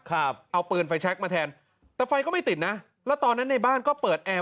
ครับเอาปืนไฟแชคมาแทนแต่ไฟก็ไม่ติดนะแล้วตอนนั้นในบ้านก็เปิดแอร์